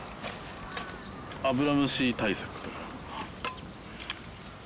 アブラムシ対策とか。